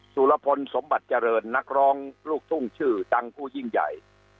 สุรพลสมบัติเจริญนักร้องลูกทุ่งชื่อดังผู้ยิ่งใหญ่